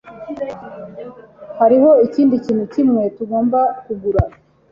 Hariho ikindi kintu kimwe tugomba kugura.